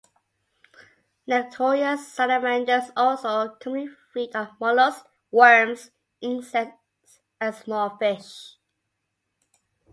Necturus salamanders also commonly feed on mollusks, worms, insects and small fish.